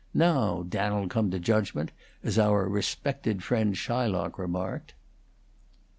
Now, Dan'el, come to judgment, as our respected friend Shylock remarked."